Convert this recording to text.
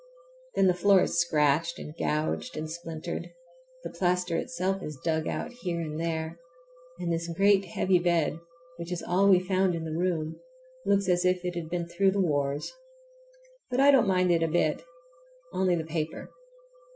Then the floor is scratched and gouged and splintered, the plaster itself is dug out here and there, and this great heavy bed, which is all we found in the room, looks as if it had been through the wars. But I don't mind it a bit—only the paper.